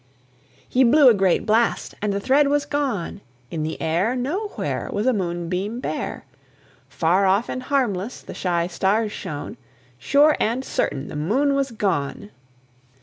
He blew a great blast, and the thread was gone In the air Nowhere Was a moonbeam bare; Far off and harmless the shy stars shone Sure and certain the Moon was gone!